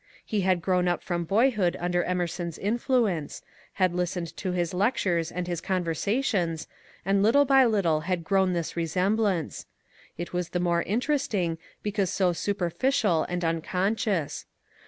He had grown up from boyhood under Emerson's influence, had listened to his lectures and hb conversations, and little by little had grown this resemblance. It was the more interesting because so superficial and unconscious.